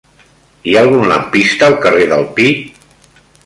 Hi ha algun lampista al carrer del Pi?